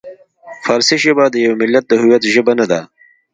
فارسي ژبه د یوه ملت د هویت ژبه نه ده.